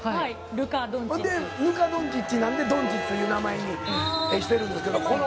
ほんで、ルカ・ドンチッチなので、ドンチッチっていう名前にしてるんですけど。